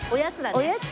おやつ。